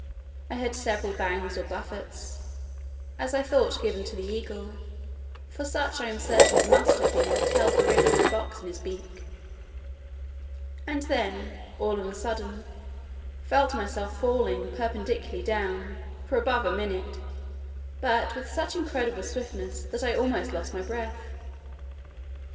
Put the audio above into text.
I heard several bangs or buffets, as I thought given to the eagle (for such I am certain it must have been that held the ring of my box in his beak), and then, all on a sudden, felt myself falling perpendicularly down, for above a minute, but with such incredible swiftness, that I almost lost my breath.